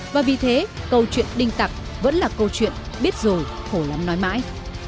và vì thế câu chuyện đinh tặc vẫn là câu chuyện biết rồi khổ lắm nói mãi